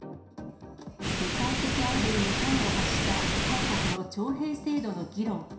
世界的アイドルに端を発した韓国の徴兵制度の議論。